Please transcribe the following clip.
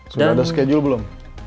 sudah ada schedule belum